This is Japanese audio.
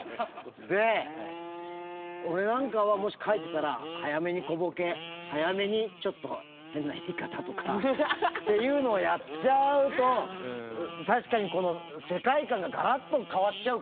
で俺なんかはもし書いてたら早めに小ボケ早めにちょっと変な言い方とかっていうのをやっちゃうと確かにこの世界観がガラッと変わっちゃうからね。